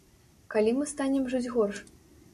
Калі мы станем жыць горш?